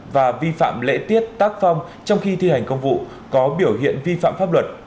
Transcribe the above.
và vi phạm lễ tiết tác phong trong khi thi hành công vụ có biểu hiện vi phạm pháp luật